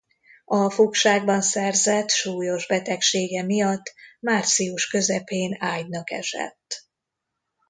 A fogságban szerzett súlyos betegsége miatt március közepén ágynak esett.